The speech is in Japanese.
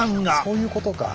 そういうことか！